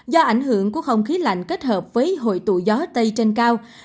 do ảnh hưởng của không khí lạnh kết hợp với hội tụ gió tây trên cao